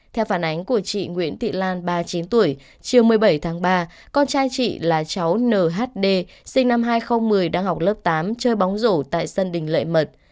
theo phản ánh của chị nguyễn thị lan ba mươi chín tuổi chiều một mươi bảy tháng ba con trai chị là cháu nhd sinh năm hai nghìn một mươi đang học lớp tám chơi bóng rổ tại sân đình lệ mật